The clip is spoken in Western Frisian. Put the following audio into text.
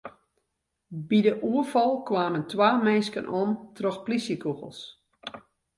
By dy oerfal kamen twa minsken om troch plysjekûgels.